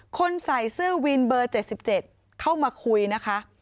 คนใส่เสื้อวินเบอร์๗๗เข้ามาคุยนะคะ